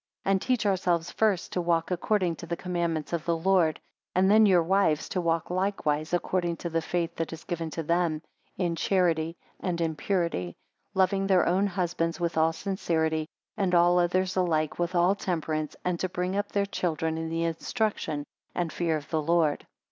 6 And teach ourselves first to walk according to the commandments of the Lord; and then your wives to walk likewise according to the faith that is given to them; in charity, and in purity; loving their own husbands, with all sincerity, and all others alike, with all temperance; and to bring up their children in the instruction and fear of the Lord.